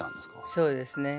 そうですね。